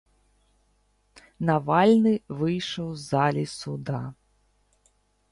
Навальны выйшаў з залі суда.